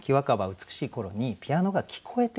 美しい頃にピアノが聞こえてくるみたいな。